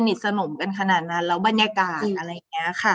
สนมกันขนาดนั้นแล้วบรรยากาศอะไรอย่างนี้ค่ะ